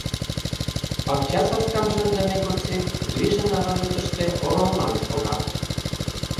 Пакча саскам шындыме годсек Гришын аваже тыште ороллан шога.